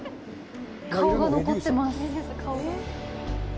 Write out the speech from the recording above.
顔が残っています。